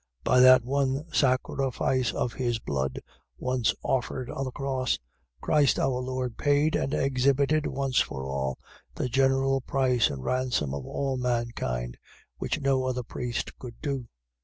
. .By that one sacrifice of his blood, once offered on the cross, Christ our Lord paid and exhibited, once for all, the general price and ransom of all mankind: which no other priest could do.